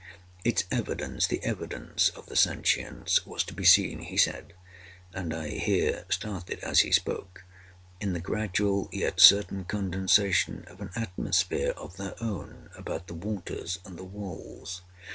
Its evidence—the evidence of the sentience—was to be seen, he said, (and I here started as he spoke,) in the gradual yet certain condensation of an atmosphere of their own about the waters and the walls.